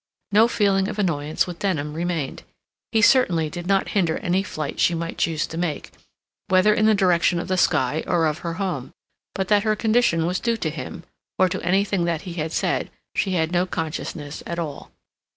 No feeling of annoyance with Denham remained; he certainly did not hinder any flight she might choose to make, whether in the direction of the sky or of her home; but that her condition was due to him, or to anything that he had said, she had no consciousness at all.